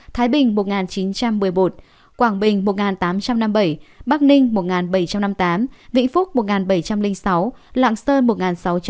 thái bình một chín trăm một mươi một quảng bình một tám trăm năm mươi bảy bắc ninh một bảy trăm năm mươi tám vĩnh phúc một bảy trăm linh sáu lạng sơn một sáu trăm sáu mươi tám